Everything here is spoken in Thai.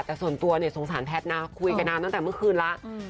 แต่ส่วนตัวเนี่ยสงสารแพทย์นะคุยกันนานตั้งแต่เมื่อคืนแล้ว